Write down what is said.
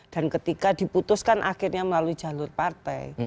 dan ketika diputuskan akhirnya melalui jalur partai